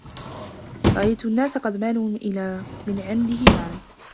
رأيت الناس قد مالوا إلى من عنده مال